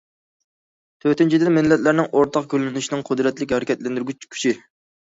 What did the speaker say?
تۆتىنچىدىن، مىللەتلەرنىڭ ئورتاق گۈللىنىشىنىڭ قۇدرەتلىك ھەرىكەتلەندۈرگۈچ كۈچى.